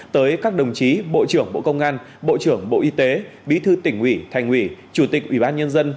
tới các đồng chí bộ trưởng bộ công an bộ trưởng bộ y tế bí thư tỉnh ủy thành ủy chủ tịch ủy ban nhân dân